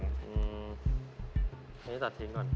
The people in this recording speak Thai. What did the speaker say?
อันนี้ตัดทิ้งก่อน